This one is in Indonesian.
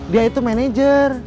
dia itu manajer